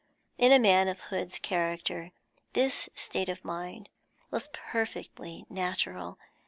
In a man of Hood's character, this state of mind was perfectly natural.